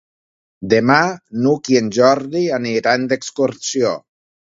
Demà n'Hug i en Jordi aniran d'excursió.